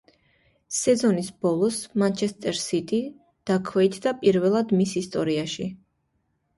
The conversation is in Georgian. სეზონის ბოლოს „მანჩესტერ სიტი“ დაქვეითდა პირველად მის ისტორიაში.